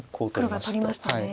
黒が取りましたね。